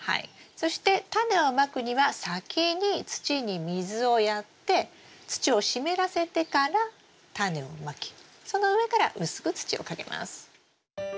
そしてタネをまくには先に土に水をやって土を湿らせてからタネをまきその上から薄く土をかけます。